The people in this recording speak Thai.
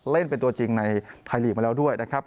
เล่นเป็นตัวจริงในไทยลีกมาแล้วด้วยนะครับ